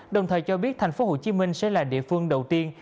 đồng thời cho biết thành phố hồ chí minh sẽ là địa phương đầu tiên